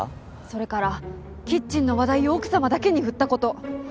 それからキッチンの話題を奥様だけに振ったこと。